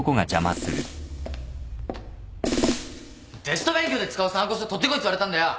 テスト勉強で使う参考書取ってこいって言われたんだよ。